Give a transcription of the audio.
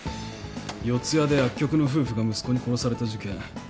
四谷で薬局の夫婦が息子に殺された事件。